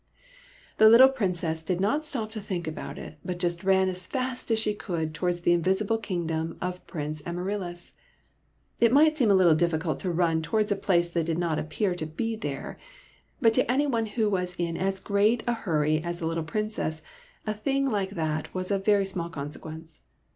The little Princess did not stop to think about it, but just ran as fast as she could towards the invisible kingdom of Prince Ama ryllis. It might seem a little difficult to run towards a place that did not appear to be there, but to any one who was in as great a hurry as the little Princess a thing like that was of very small consequence.